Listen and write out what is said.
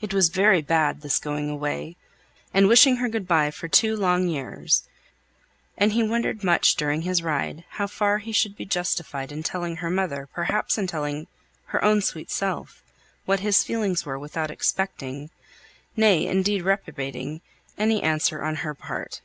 It was very bad, this going away, and wishing her good by for two long years; and he wondered much during his ride how far he should be justified in telling her mother, perhaps in telling her own sweet self, what his feelings were without expecting, nay, indeed reprobating, any answer on her part.